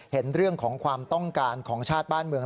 เห็นเรื่องของความต้องการของชาติบ้านเมือง